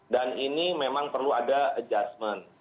dan ini memang perlu ada adjustment